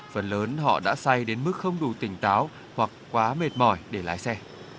phần lớn họ đã say đến mức không đủ tỉnh táo hoặc quá mệt mỏi để lái xe